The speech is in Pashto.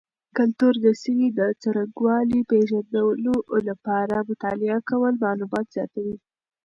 کلتور د سیمې د څرنګوالي پیژندلو لپاره مطالعه کول معلومات زیاتوي.